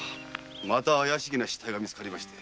また怪しげな死体が見つかりました。